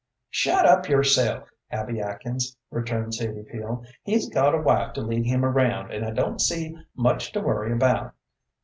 "Shut up yourself, Abby Atkins," returned Sadie Peel. "He's got a wife to lead him around, and I don't see much to worry about.